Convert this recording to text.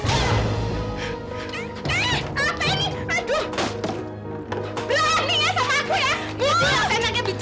eh apa ini aduh